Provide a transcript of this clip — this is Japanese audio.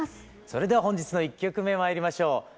それでは本日の１曲目まいりましょう。